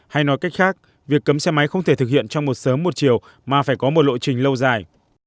hay nói cách khác việc cấm xe máy không thể thực hiện trong một sớm một chiều mà phải có một lộ trình lâu dài